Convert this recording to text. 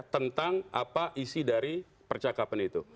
tentang apa isi dari percakapan itu